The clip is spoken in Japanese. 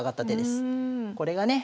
これがね